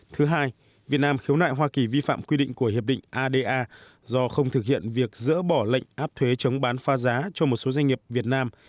thứ hai việt nam khiếu nại hoa kỳ vi phạm quy định của hiệp định ada do không thực hiện việc dỡ bỏ lệnh áp thuế chống bán pha giá cho một số doanh nghiệp việt nam